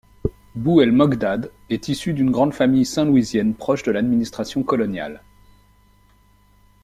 Bou El Mogdad est issu d’une grande famille saint-louisienne proche de l’administration coloniale.